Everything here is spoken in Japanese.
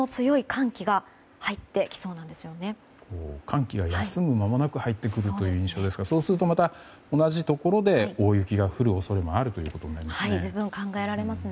寒気が休むもなく入ってくる印象ですがそうすると、同じところで大雪が降る恐れがあるということになりますね。